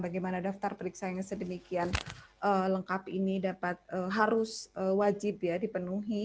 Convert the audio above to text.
bagaimana daftar periksa yang sedemikian lengkap ini dapat harus wajib ya dipenuhi